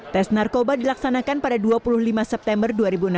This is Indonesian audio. tes narkoba dilaksanakan pada dua puluh lima september dua ribu enam belas